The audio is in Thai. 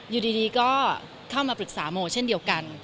อยู่ดีก็เข้ามาปรึกษาโมเช่นเดียวกัน